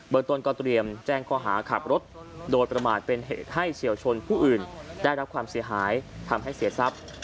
เมืองต้นก็เตรียมแจ้งข้อหาขับรถโดยประมาทเป็นเหตุให้เฉียวชนผู้อื่นได้รับความเสียหายทำให้เสียทรัพย์